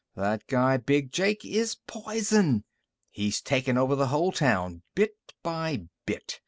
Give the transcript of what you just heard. "That guy Big Jake is poison! He's takin' over the whole town, bit by bit!